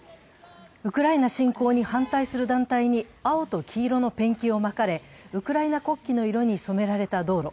ウクライナ侵攻に反対する団体に青と黄色のペンキをまかれウクライナ国旗の色に染められた道路。